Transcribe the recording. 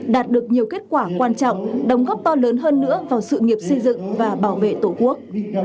đạt được nhiều kết quả quan trọng đóng góp to lớn hơn nữa vào sự nghiệp xây dựng và bảo vệ tổ quốc